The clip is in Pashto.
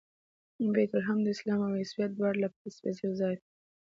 بیت لحم د اسلام او عیسویت دواړو لپاره سپېڅلی ځای دی.